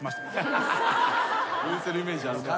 言うてるイメージあるな。